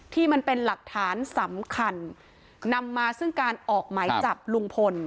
ที่เป็นหลักฐานสำคัญนำมาซึ่งการออกหมายจับลุงพล